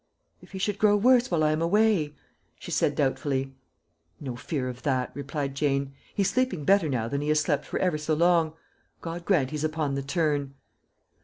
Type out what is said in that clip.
"If he should grow worse while I am away?" she said doubtfully. "No fear of that," replied Jane. "He's sleeping better now than he has slept for ever so long. God grant he's upon the turn!"